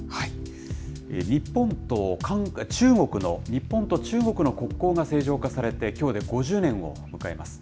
日本と中国の国交が正常化されて、きょうで５０年を迎えます。